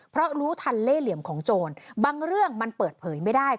เพราะรู้ทันเล่เหลี่ยมของโจรบางเรื่องมันเปิดเผยไม่ได้